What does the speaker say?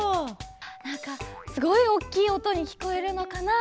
なんかすごいおっきいおとにきこえるのかなあっておもって。